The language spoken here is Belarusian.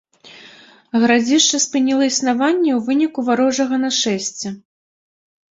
Гарадзішча спыніла існаванне ў выніку варожага нашэсця.